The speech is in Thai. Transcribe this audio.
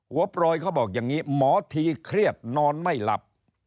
โปรยเขาบอกอย่างนี้หมอทีเครียดนอนไม่หลับ